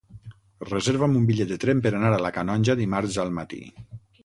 Reserva'm un bitllet de tren per anar a la Canonja dimarts al matí.